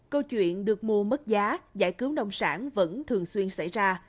câu chuyện được mua mất giá giải cứu nông sản vẫn thường xuyên xảy ra